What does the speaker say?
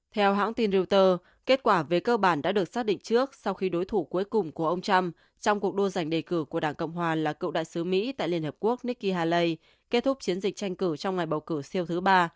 theo hãng tin reuters kết quả về cơ bản đã được xác định trước sau khi đối thủ cuối cùng của ông trump trong cuộc đua giành đề cử của đảng cộng hòa là cựu đại sứ mỹ tại liên hợp quốc nikki haley kết thúc chiến dịch tranh cử trong ngày bầu cử siêu thứ ba